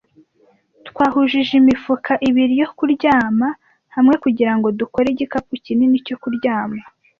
Twahujije imifuka ibiri yo kuryama hamwe kugirango dukore igikapu kinini cyo kuryama.